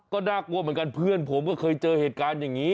ก็น่ากลัวเหมือนกันเพื่อนผมก็เคยเจอเหตุการณ์อย่างนี้